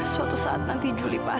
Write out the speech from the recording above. suatu saat nanti juli pak